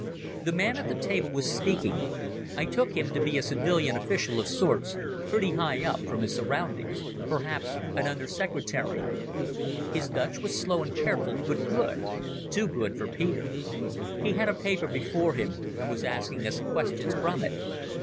The man at the table was speaking. I took him to be a civilian official of sorts, pretty high up from his surroundings, perhaps an Under Secretary. His Dutch was slow and careful, but good—too good for Peter. He had a paper before him and was asking us questions from it.